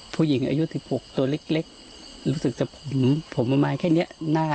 ผู้หญิงอายุสิบหกตัวเล็กรู้สึกจะผมผมประมาณแค่เนี่ย